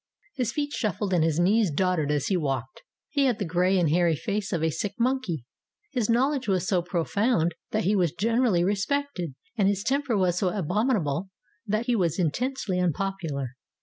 His feet shuffled and his knees doddered as he walked. He had the gray and hairy face of a sick monkey. His knowledge was so pro found that he was generally respected, and his temper was so abominable that he was intensely unpopular.